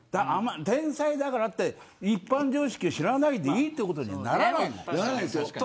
天才だからって一般常識を知らないでいいってことにはならない。